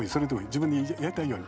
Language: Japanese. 自分のやりたいように。